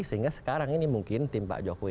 sehingga sekarang ini mungkin tim pak jokowi